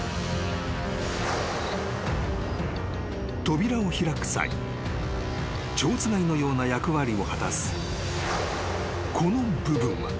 ［扉を開く際ちょうつがいのような役割を果たすこの部分は］